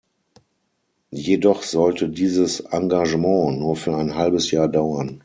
Jedoch sollte dieses Engagement nur für ein halbes Jahr dauern.